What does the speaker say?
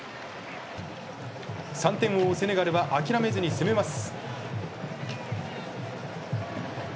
３点を追うセネガルは諦めずに攻めます。